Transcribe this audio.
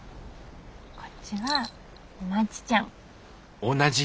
こっちはまちちゃん。